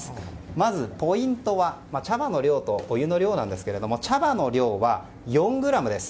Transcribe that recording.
まずポイントは茶葉の量とお湯の量なんですが茶葉の量は４ｇです。